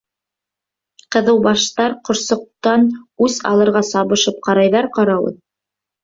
Ҡыҙыу баштар ҡошсоҡтан үс алырға сабышып ҡарайҙар ҡа-рауын.